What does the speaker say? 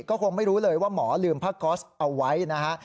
ก็คงไม่รู้เลยว่าหมอลืมผ้าก๊อสเอาไว้นะฮะ